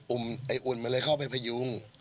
ไอ้อุ่นมันเลยเข้าไปพยุง